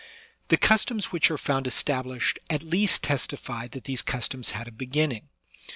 The customs which are found established at least tes tify that these customs had a beginning.